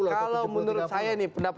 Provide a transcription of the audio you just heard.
kalau menurut saya